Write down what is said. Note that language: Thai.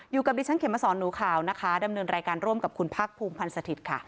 อยู่กับดิฉันเขมสอนหนูขาวนะคะดำเนินรายการร่วมกับคุณพักภูมิพันธ์สถิตย์ค่ะ